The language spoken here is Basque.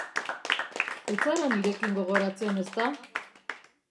Ez zara nirekin gogoratzen, ezta?